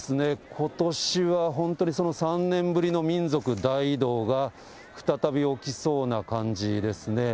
ことしは本当に、その３年ぶりの民族大移動が再び起きそうな感じですね。